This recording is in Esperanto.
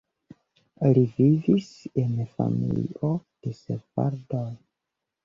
Li vivis en familio de sefardoj.